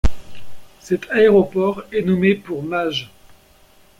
Cet aéroport est nommé pour Maj.